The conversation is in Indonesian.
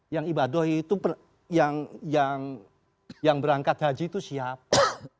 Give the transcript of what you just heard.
yang ibadah itu yang berangkat haji itu siapa